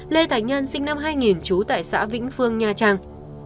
lê thái nhân sinh năm hai nghìn trú tại xã vĩnh phương nha trang